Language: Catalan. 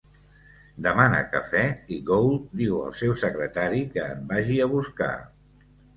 Demana cafè i Gould diu al seu secretari que en vagi a buscar.